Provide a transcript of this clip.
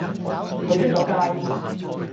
佢出咗街